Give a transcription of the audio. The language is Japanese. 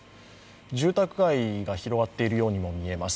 住宅街が広がっているようにも見えます。